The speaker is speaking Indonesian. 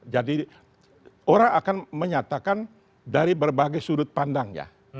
jadi orang akan menyatakan dari berbagai sudut pandangnya